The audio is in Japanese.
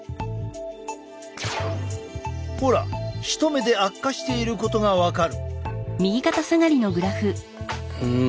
ほら一目で悪化していることが分かる。